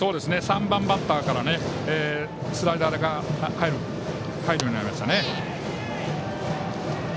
３番バッターからスライダーが入るようになりましたね。